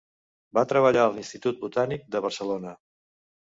Va treballar a l'Institut Botànic de Barcelona.